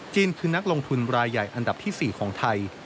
คือนักลงทุนรายใหญ่อันดับที่๔ของไทย